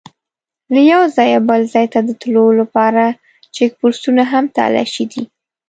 له یوه ځایه بل ځای ته د تلو لپاره چیک پوسټونه او تلاشي دي.